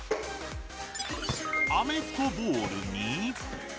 アメフトボールに。